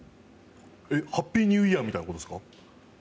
ハッピーニューイヤーみたいなことですか？